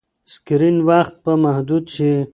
سکرین وخت به محدود شي.